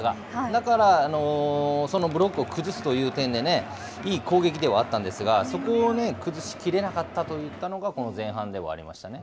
だから、そのブロックを崩すという点でね、いい攻撃ではあったんですが、そこを崩しきれなかったといったのが、この前半ではありましたね。